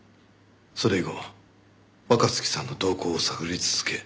それ以後若月さんの動向を探り続け